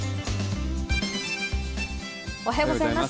おはようございます。